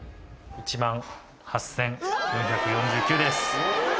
１万８４４９です。